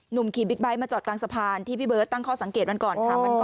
ขี่บิ๊กไบท์มาจอดกลางสะพานที่พี่เบิร์ตตั้งข้อสังเกตวันก่อนค่ะ